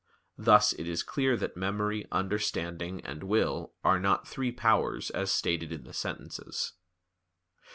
Thus it is clear that memory, understanding, and will are not three powers as stated in the Sentences.